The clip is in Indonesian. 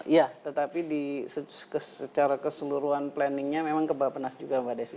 ya tetapi secara keseluruhan planningnya memang ke bapak nas juga mbak desi